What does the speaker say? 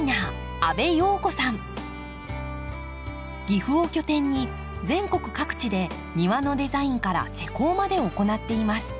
岐阜を拠点に全国各地で庭のデザインから施工まで行っています。